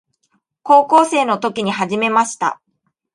高校生の時に始めました。